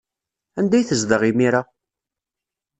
Anda ay tezdeɣ imir-a?